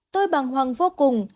tôi bằng hoang vô cùng